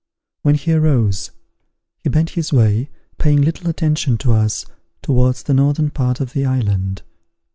When he arose, he bent his way, paying little attention to us, towards the northern part of the island.